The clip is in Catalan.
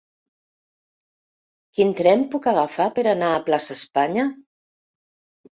Quin tren puc agafar per anar a Plaça Espanya?